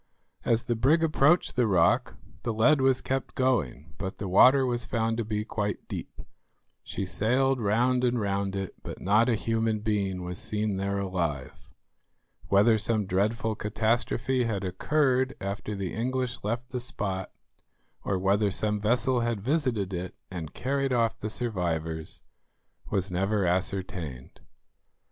As the brig approached the rock the lead was kept going, but the water was found to be quite deep. She sailed round and round it, but not a human being was seen there alive. Whether some dreadful catastrophe had occurred after the English left the spot, or whether some vessel had visited it and carried off the survivors, was never ascertained.